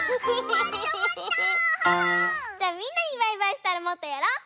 じゃあみんなにバイバイしたらもっとやろう！